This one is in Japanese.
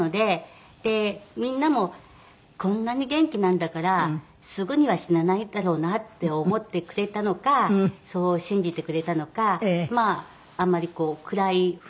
でみんなもこんなに元気なんだからすぐには死なないだろうなって思ってくれたのかそう信じてくれたのかまああんまり暗い雰囲気にはならずに。